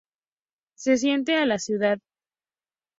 Se siente a la ciudad.